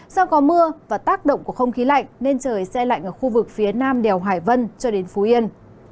do có mưa và tác động của không khí lạnh nên trời xe lạnh ở khu vực phía nam đèo hải vân cho đến phú yên